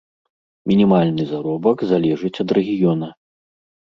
Мінімальны заробак залежыць ад рэгіёна.